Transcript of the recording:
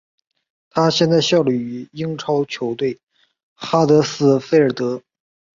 他现在效力于英超球队哈德斯菲尔德。